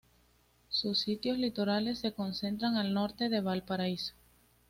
Sus sitios litorales se concentran al norte de Valparaíso.